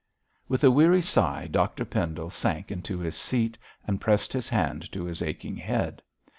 With a weary sigh Dr Pendle sank into his seat, and pressed his hand to his aching head.